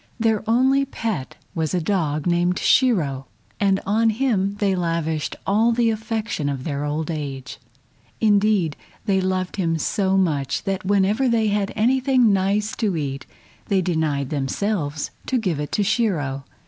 Their only pet was a dog named Shiro, and on him they lavished all the affection of their old age. Indeed, they loved him so much that whenever they had anything nice to eat they denied themselves to give it to Shiro.